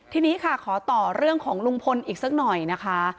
ทีนี้ค่ะขอต่อเรื่องของลุงพลอีกสักหน่อยนะคะ